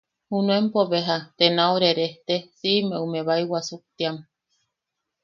Junuenpo beja, te nau rerejte siʼime ume bai wasuktiam.